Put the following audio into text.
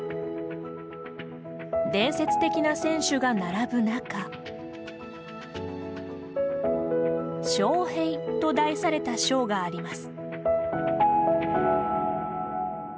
伝説的な選手が並ぶ中「ＳＨＯＨＥＩ」と題された章があります。